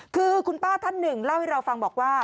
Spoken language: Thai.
คือคุณป้าท่านหนึ่งเล่าให้เราฟังบอกว่า